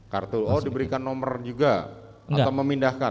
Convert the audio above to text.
kartu oh diberikan nomor juga atau memindahkan